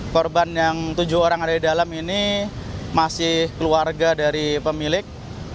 korban yang tujuh orang ada di dalam ini masih keluarga dari pemilik